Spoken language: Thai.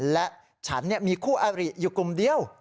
แล้วฉันเนี่ยมีคู่อธริตอยู่กลุ่มเดียว